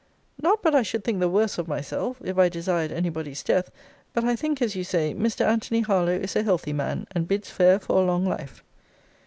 Not but I should think the worse of myself, if I desired any body's death; but I think, as you say, Mr. Antony Harlowe is a healthy man, and bids fair for a long life.